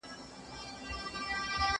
زه اوس د کتابتون لپاره کار کوم.